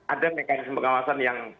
ada mekanisme pengawasan yang